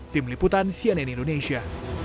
tim liputan cnn indonesia